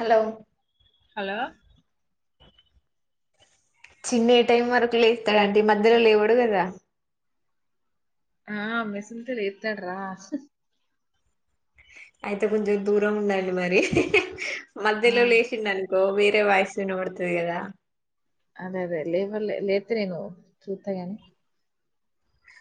Hello hello Chinni యే time వరకు లేస్తాడు ఆంటీ మధ్యలో లేవడు కదా ఆ మేసిలట్లే లేతాడు రా అయితే కొంచెం దూరం ఉండాలి మరి [inaudible] ఆ మధ్యలో లేసిండు అన్ గో వేరే వాయిస్ వినబడుతది కదా అదే అదే లేవర్లే లేస్తే చూతగానీ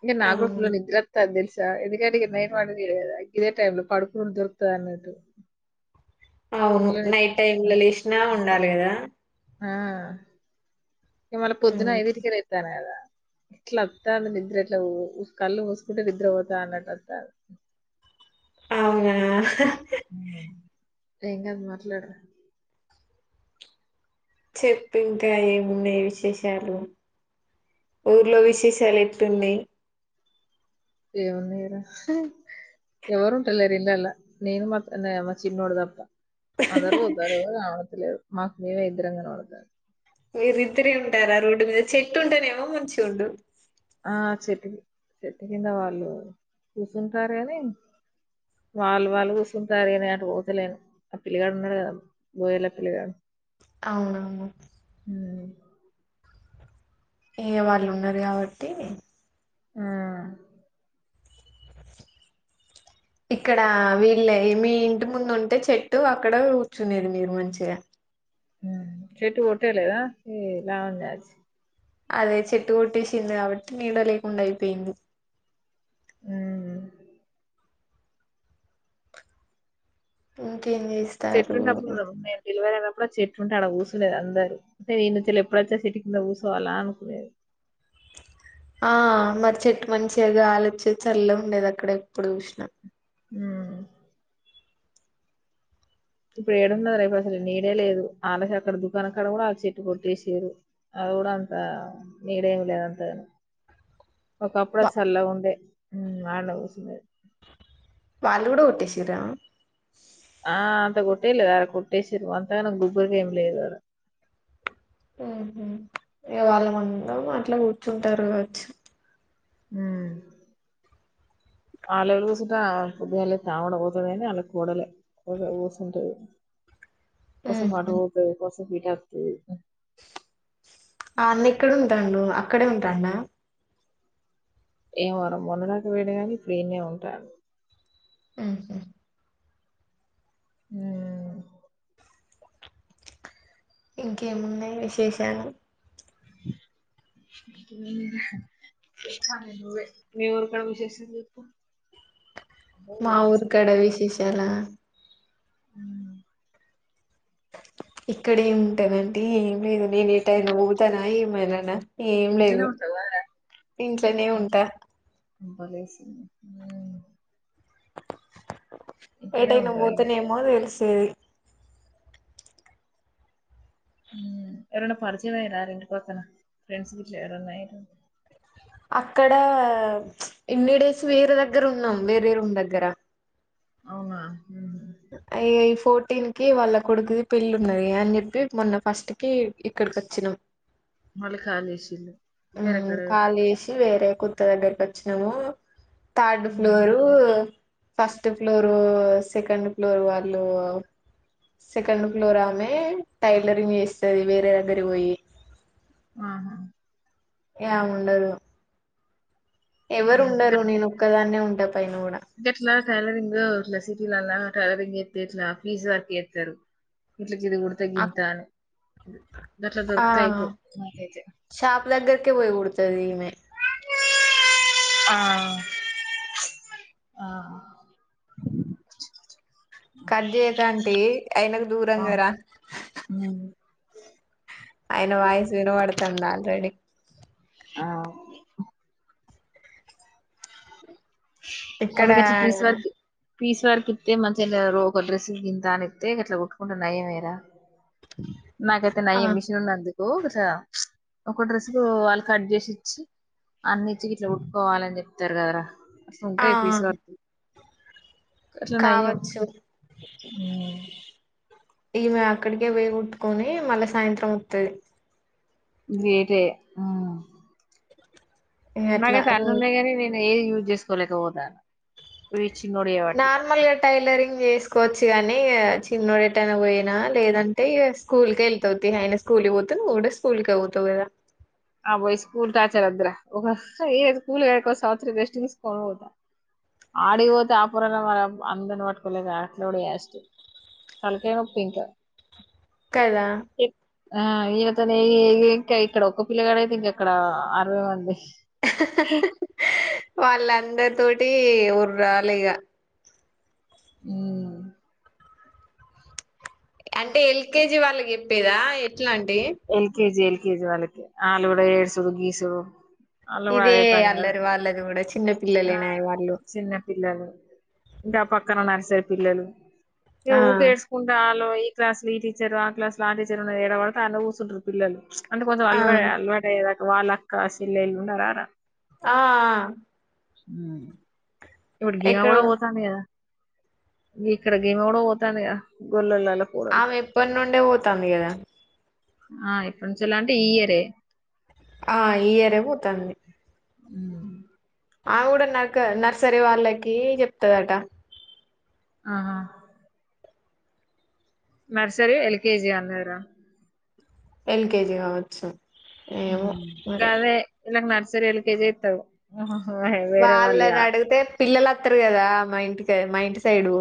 ఇంగా నాకుడా ఫుల్ అవును నిద్రవతది తెలుస్ ఎందుకంటే నేను కూడా వంట చేయడంమే ఇదే టైంలో పడుకు దొరుకుతది అనట్టు అవును నైట్ టైమ్లో లేసినా నాలుగుద ఆ ఇ మళ పొద్దున ఉమ్, ఐదింటికే లేపినారు కదా ఇట్లా అత్తా నిద్ర ఎట్లా కళ్ళు ముసుకుంటే నిద్ర పోతా అన్నట్టు అత్త అవునా హ ఏం కాదు మాట్లాడు చెప్పు ఇంకా ఏమున్నాయి విశేషాలు ఊర్లో విశేషాలు ఎట్లున్నాయి ఏమన్నారు ఎవరు ఉంటలే ఇండ్లళ్లో నేను మమ్మా చిన్నోడదప్ప అందరు పోతారువ రావట్లేదు మాకు మీమే ఇద్దరం కనబడతాండం మీరిద్దరే ఉంటారా రోడ్డు మీద చెట్టు ఉంటేనేమో మంచి ఉండు ఆ చెట్కి చెట్టు కింద వాళ్ళు ఆ చెట్టు ఆ ఆ ఆ ఆ చెట్టు కింద వాళ్లు కూర్చుంటారు కానీ వాళ్ళు వాళ్ళు కూర్చుంటారు కాని నేను పోతలేను ఆ పిల్లిగాడు ఉన్నారు కదా బోయేల్ల పిల్లిగాడు అవునవును ఇ వాళ్ళు ఉన్నారు కాబట్టి ఆ ఇక్కడ వీళ్ళ మీ ఇంటి ముందు ఉంటే చెట్టు అక్కడ కూర్చునేది మీరు మంచిగా చెట్టు కొట్టేయ్యలేదా అదే చెట్టు కొట్టేసినారుకాబట్టి నీడలేకుండా పోయింది ఆ ఆ చెట్టు ఉంటప్పుడు నేను డెలవరి ఐన ఎప్పుడ చెట్టు ఉంటే అడ ఊసులేదు అందరుూ అంటే నేనుచ్చ ఎప్పుడొచ్చా చెట్టు కింద ఊసో అలా అనుకునేది ఆ మరి చెట్టు మంచిగా గాలి వచ్చేది చల్ల ఉండేది అక్కడ ఎప్పుడు చూసినా హ ఇప్పుడు ఏడున్నది అసలు నీడే లేదు అక్కడ దుకాణం కడ కూడా చెట్టు కొట్టేసారు అది కూడా అంత నీడేమి లేదు అంతగాని ఒక అప్పుడు వా చల్ల ఉండే వాళ్ల ఊసులే వాళ్ళు కూడా కొట్టేసరా ఆ అంత కొట్టేలే వర కొట్టేసిరు అంతగాన్నా గుబ్బరికా ఏం లేదుర ఉ ఇవాళ్ళ అందరం అట్లే కూర్చుంటారు కావచ్చు ఉ ఆలళ కూర్సుంటే పుద్దిగాళ తాముడా పోతున్నా కాని వాళ్ళ కూడలే కూ కూస్తుంటది కస మాటవతు కస ట్తు ఆ అన్న ఎక్కడ ఉంటాండు అక్కడే ఉంటాన్న ఏమో మరి మొన్నదాక పోయిండుగాని ఇప్పుడు ఈడనే ఉంటాండు ఆహా అ ఇంకేమున్నాయి విశేషాలు మీ ఊరుకడ విశేషమేమి మా ఊరు కడ విశేషాల హ ఇక్కడ ఏమింటానంటీ ఏం లేదు నేను ఏటైనా పోఊతానా ఏమైనానా ఏం లేదు ఇంట్లోనే ఉంటా బలేస ఏటైనా ఉంటావు ఇగ పోతేనేమో తెలుసు చే ఎరన్న పరిచయంమే రెం కొత్తనా ఫ్రెంస్ గ ఎరన్నా అక్కడ ఇన్నిడేస్ వేరే దగ్గర ఉన్నాం వేరే రూమ్ దగ్గర అవునా అయ ఫోర్టీన్ కి వాళ్ళ కొడుకుది పెళ్ళి ఉన్నది అని చెప్పి మొన్న ఫస్ట్ కి ఇక్కడికి వచ్చినాం మళ కాాలషల్ వర ఉమ్, కడ ఖాళీ చేసి వేరే కుత్త దగ్గరికి వచ్చినాము థర్డ్ ఉహు floor first floor second floor వాళ్ళు సెకండ్ ఫ్లోర్ ఆమె టైలరింగ్ వస్తుంది వేరే దగ్గర పోయి ఆహా ఉండదు ఎవరు ఉహు ఉండరు గట్ నేను ఒక్కదాన్నే ఉం పైనూడు ట్రాలరింగ్ ఇట్లా సిటీ లోలా ట్రాలరింగ్స్తతే ఇట్లా ఫీజ్ వరకు వస్తారు ఇకి ఇది కొడితే గింతా అను అట్లా ఆ దొరుకుత అయిపో మాకైతే ఎక్క పయి కొడుతదిమె ఆ ఆ కట్జయకంట అయినకు ఆ దూరంగారా ఉమ్ ఆయన వాయిసు వినబడుతుంది ఆల్రెడీ ఆ అవి ఇక్కడ గట్ల పీస్ వర్క్ పీస్ వర్క్ ఇస్తే మంచిగా ఒక డ్రెస్ గింత అనిస్తే ఇట్లా కొట్కుంటున్నాయ మరా నాకైయితే ఆ నయ మిషన్ అంది ఒక డ్రెస్ కు వాళ్ళు కట్ చేసి ఇచ్చి అన్ని ఇచ్చి ఇట్లా ఉట్టుకోవాలని చెప్తారు కదరా ఆ ఉంటాయి పీస వ కావచ్చు ఉమ్ ఈమె అక్కడికే వేగట్టుకొని మళ్ళ సాయంత్రం వస్తుది వేరే ఇగ మగా అట్లా రోజు తలున్నా గనీ నేను ఏది యూజ్ చేసుకోలేక పోదా నార్మల్గా టైలరింగ్ చేసుకోవచ్చు కాగానీ చిన్ననోడు ఎటైనా పోయినా లేదంటే స్కూల్ క వెళ్తవుతి అయన స్కూల్కి పోతు నువ్వు కూడా స్కూల్ క అవుతావు కదా ఆ పోయి స్కూల్ టాచర్ద్దర ఒక స్కూల్వత్స రెస్ట్ తీసుకొని పోతా ఆడిపోతే అపుర మ అందరిని పట్టుకోలేక అట్లాడి వస్ కలకప్పింక కదా ఆ ఇతనే ఏ ఏకై ఇకడుఒ పిల్లగడ అయితే ఇక్కడ అరవై మంది హ వాళ్ళందరి తోటి ఉర్‌రాలిగ మ్ అంటే ఎల్కేజీ వాళ్ళకి చెప్పేదా ఎల్కెజి ఎల్ కేజివాల కిఆలు కూడా ఏడ్సుడు గీసుడు వాళ్ళు కూడా అదే పని కదా ఇదిఅల్లరి వాళ్ళదికూడ చె చిన్న ఆ పిల్లలేనాయి వాళ్ళు చిన్న పిల్లలు ఇంకా పక్కనన్నారుర సరి పిల్లలు ఏ ఆ! ఊకేస్కుంటడా ఈ క్లాస్ లో ఈ టీచర్ ఆ క్లాసు లో ఆ టీచర్ ఏడ పడితే అన్నె కూసుంటారు పిల్లలు అంటే కొంచం ఆ! అలడే ఆ! అలవాడే వాళ్ళక్క సిల్లెలు ఉన్నారార ఆ ఊ ఇప్పుడు గ్యామ్ ఎక్కడో కూడా పోతాంది కదా ఇక్కడ గీమా గూడా పోతాంది కదా కూడలు ఆమె ఎప్పాడనుండే పోతాంది కదా ఆ ఇప్పుడు చెల్ంట ఈయరే ఆ ఈయరే పోతుంది అవు ఆమె కూడా నర్క నర్సరీ వాళ్ళకి చెప్తదట ఆహా నర్సరి ఎల్కెజి అన్నర ఎల్కెజి కావచ్చు ఏమో మరి గదె ఇల్లకు సరే ఎల్ కేజీ ఎత్తరు ఆహా వాళ్ళని అడిగితే పిల్లలు అత్త కదా మా ఇంటి కి మా ఇంటి సైడు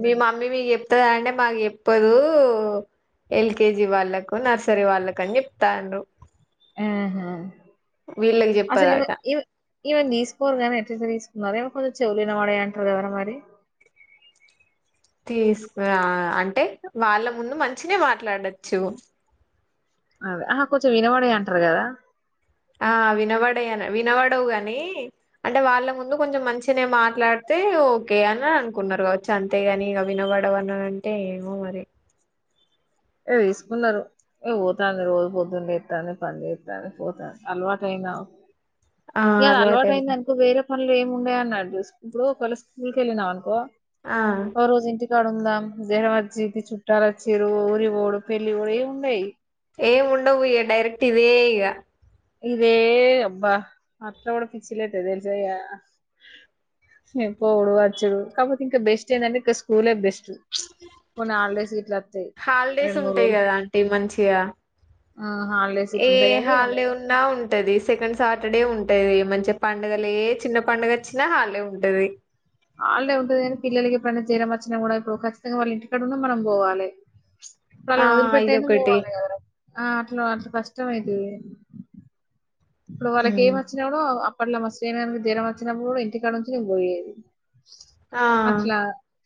మీ మమీ మీ ఇ తదా అంటే మాకు చెప్పదు ఎల్కేజీ వాళ్ళకు నర్సరీ వాళ్ళకని చెప్తానరు ఆహా వీళ్ళకి అసలు ఇవ చెప్పదట ఇవ ఇవన్ తీసుకోరుగానీ అట్లెట్లతీసుకొని మరొక కొన్ చెౌల్ ఇనవడయి అంటారుగదర మరి తీసుకురా అంటే వాళ్ళ ముందు మంచినే మాట్లాడచ్చు అదే ఆహ కొంచెం ఇనవడయంటరు కదరా ఆ వినబడయి వినబడవు ని అంటే వాళ్ళ ముందు కొంచెం మంచిన మాట్లాడితే ఓకే అని అనుకున్నారు కావచ్చు అంతేగాని ఇక వినబడవు అన్న అంటే ఏమో మరి ఏ తీసుకున్నారు ఇగ పోతాంనది రోజు పొద్దున్న్లేత్తాంది పని చేస్తాను పోతాను అలవాటయినా ఆ ఇగా అలవాట అలవాటయింది అయింద అనుకో వేరే మళ్లు ఏమిముండేయ అన్నాడు ఇప్పుడు ఒకవేళ స్కూల్కి వెళ్ళినా అనుకో ఆ కడుందాం దేర మర్జీ ఇ చుట్టాలచ్చీరు ఊరి గోడు పెళ్లిగోడు ఉండయి ఏం ఉండవు ఇక డైరెక్ట్ ఇదే ఇగ ఇదే అబ్బా అట్లా కూడా పిచ్చిలేదు తెలుసాయ్యా పోడు వచ్చడు కాకపోతే ఇంకా బెస్ట్ ఏంటంటే ఇంకా స్కూలే బెస్ట్ ఉన అల్డేస్ సిట్లా హాలీడేస్ ఉంటాయి గదా అంటీ మంచిగా ఆ హాలిడేస్ ఇట్ంటయి గనీ న్నా ఉంటది సెకండ్ సాటర్డే ఉంటది మంచిగా పండుగలే చిన్న పండుగ వచ్చినా హాల్డే ఉంటది ఆళ్డే ఉంటుది కానీ పిల్లలకి ఎప్పుడైనా చేీరం వచ్చినా కూడా ఇప్పుడు ఖచ్చితంగా వాళ్ళ ఇంటిక్కడ ఉన్న మనం పోవాలి ఆ ప్రళణందురి పెట్టైను ఇదొకటి పోవాలి గదర ఆ అట్లా అట్లా కష్టం అయితది ఇప్పుడు వాళ్ళకి ఏం ఉమ్. వచ్చినాగూడా అట్ల మా స్నిధరం వచ్చినప్పుడు కూడా ఇంటికాడ నుంచి పోయేది ఆ అట్లా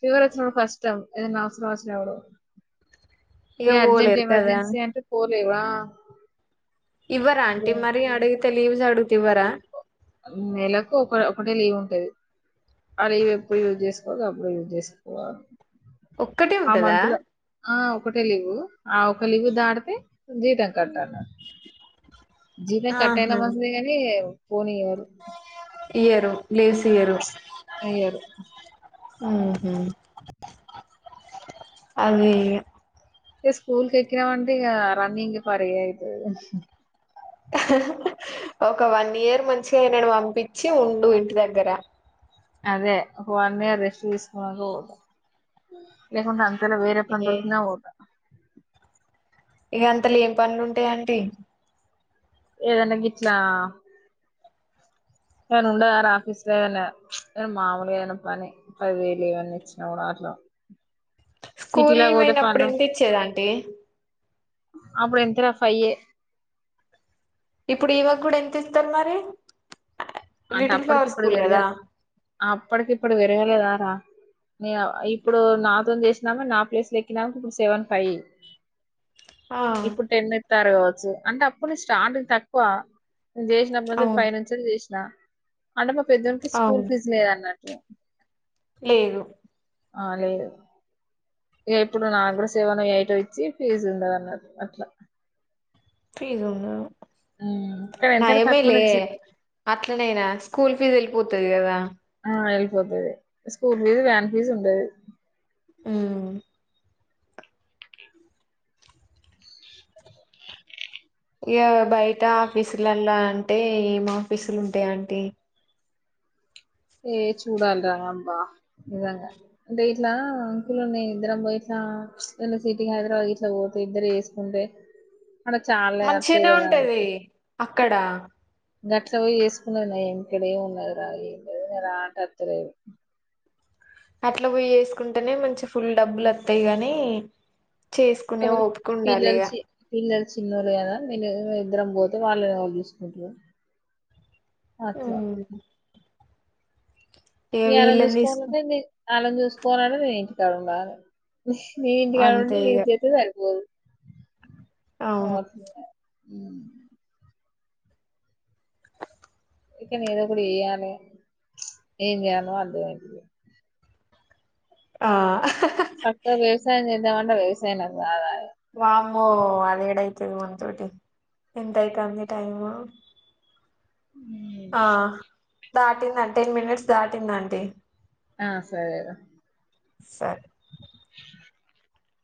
ఫీవర్ వచ్చినడు కస్టం ఏదన్న అవసరం ఒచనపుడు ఇగ ఏ అర్జెంట్ పోలేరు కదా ఎమర్జెన్సీ అంటే కో ఎవ ఇవ్వరా ఆంటీ మరి అడగి టై లీవ్స్ ఆడుగుతవ్వరా నెలకు ఒక ఒకటే లీవ్ ఉంటది ఆ లీవ్ ఎప్పుడు యూజ్ చేసుకోవాల అప్పుడు యూజ్ చేసుకోవాలి ఒక్కటే ఆ ఉంటదా మంత్ లో ఆ ఒకటే లీవు ఆ ఒక లివు దాడితే జీతం కట్టను జీతం కట్టయినా ఆహా మంచిదే కానీ పోనీయరు ఇయరు లేేసియరు అయ్యారు అదీ ఏ స్కూల్ కి ఎక్కినా అంటే ఇక రన్నింగ్ పరి అవుతుంది ఒక వన్ ఇయర్ మంచిగా నను పంపించి ఉండు ఇంటి దగ్గర అదే వన్ ఇయర్ రెస్ట్ తీసుకు పో లే అంత ఇలా వేరే పని ఏ దొరికిన పోత ఏ అంతలో ఏ పనులు ఉంటాయి ఆంటీ ఏదన్నా గిట్లా ఏమన్నా ఉండవరా ఆఫీసులో ఏమన్నా మామూలుగా ఏమన్నా పని పదివేలు ఏమన్నా ఇచ్చిన కూడా అట్లా స్కూల్ సిటీలో పోతే పోయినప్పుడు పనులు ఎంత ఇచ్చేది ఆంటీ అప్పుడు ఎంత రా ఫైవ్ ఏ ఇప్పుడు ఈవక కూడా ఎంత ఇస్తారు మరి అంటే లిటిల్ అప్పటికి ఫ్లవర్ ఇప్పుడు స్కూల్ కదా పెరగలె అప్పటికి ఇప్పుడు పెరగలేదరా ఇప్పుడు నాతో చేసిన ఆమె నా ప్లేస్ లో ఎక్కిన ఆమె సెవన్ ఫైవ్ ఆ ఇప్పుడు టెన్ ఇస్తారు కావచ్చు అంటే అప్పుడు స్టార్టింగ్ తక్కువ నేను చేసినపుడు అవును ఫైనల్ అవునా అంటే మా పెద్దోడికి స్కూల్ అవును పీస్ లేదన్నాటు తో [inaudible] లేదు ఆ లేదు ఇప్పుడు నాగ్ర సేవన వయటం ఇచ్చి ఫీజు ఉండదు అన్న అట్లా ఫీజ్ ఉందా ఉమ్, కానీ ఎంతైనా తక్కువ నయమేలే నుంచి అట్లనైనా స్కూల్ ఫీజు ఉత్తది కదా ఆ అయిపోతది స్కూల్ ఫీజు వ్యాన్ ఫీజు ఉండదు ఆ ఇగ బయట ఆఫీసులల్ల అంటే ఏం ఆఫీసులు ఉంటాయి అంటీ ఏ చూడాలి రాంగబ్బా నిజంగా అంటే ఇట్లా అంకులున్నా ఇద్దరంబ ఇట్లా సిటీకి హైదరాబాద్ ఇట్లా పోతే ఇద్దరు వేసుకుంటే అక్కడ చాలానే అత్తయి మంచిగనే కదా ఉంటది అక్కడ గట్లా పోయి చేసుకున్నది నయం ఇక్కడేమి ఉండదురా ఏం లేదు రా అంటే వతదలేదు అట్ల పోయి చేసుకుంటేనే మంచి ఫుల్లు డబ్బులు వతైయి కానీ చేసుకునే కాకపోతే ఓపిక పిల్లలు ఉండాలిగా చి పిల్లలు చిన్నోళ్ళు కదా నేను ఇద్దరం పోతే వాళ్లని ఎవరు చూసుకుంటారు ఆ అట్లా నేను వాళ్ళని తీసుకు చూసుకోవాలంటే వాళ్లని చూసుకోవాలంటే నేను ఇంటికాడఉండాలి మీ ఇంటి కాడ అంతే ఉంటే నీ ఇగ జత సరిపోదు ఓ అవును మ్ ఇక ఏదో ఒకటి చేయాలి ఏం చేయాలో అర్థం అయితలేదు ఆ సక్కగా వ్యవసా [unintelligible] వ్యసాయం బాగా వామో అదేడైతుది మన్ తోటి ఎంత అయితంది టైము ఆ దాటిందంటి టెన్ మినిట్స్ దాటిందండి ఆ సరే రా సత్